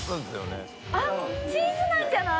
大友）あっチーズナンじゃない？